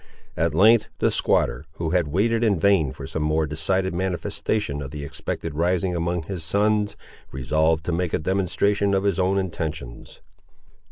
At length the squatter, who had waited in vain for some more decided manifestation of the expected rising among his sons, resolved to make a demonstration of his own intentions.